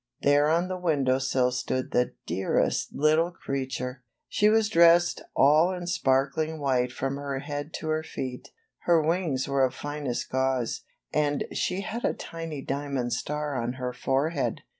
There on the window sill stood the dearest little creature! She was dressed all in sparkling white from her head to her feet, her wings were of finest gauze, and she had a tiny diamond star on her DOROTHY'S CHRISTMAS EVE 137 forehead.